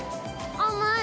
甘い？